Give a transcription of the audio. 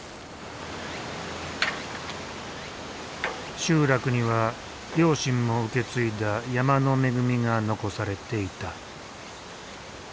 集落には両親も受け継いだ山の恵みが残されていた。